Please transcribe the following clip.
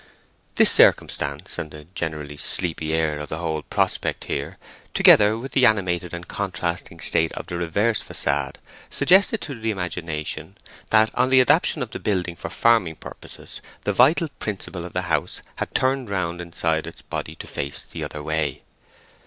This circumstance, and the generally sleepy air of the whole prospect here, together with the animated and contrasting state of the reverse façade, suggested to the imagination that on the adaptation of the building for farming purposes the vital principle of the house had turned round inside its body to face the other way.